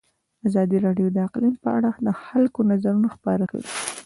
ازادي راډیو د اقلیم په اړه د خلکو نظرونه خپاره کړي.